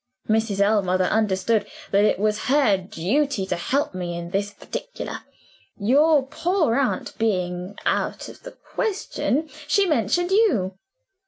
Mrs. Ellmother understood that it was her duty to help me in this particular. Your poor aunt being out of the question she mentioned you."